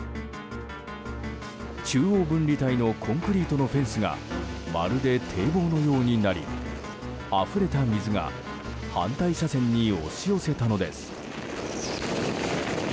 中央分離帯のコンクリートのフェンスがまるで堤防のようになりあふれた水が反対車線に押し寄せたのです。